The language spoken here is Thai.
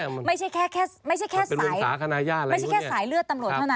ไม่ใช่แค่สายเลือดตำรวจเท่านั้น